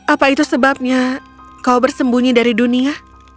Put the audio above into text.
apa itu sebabnya kau bersembunyi dari dunia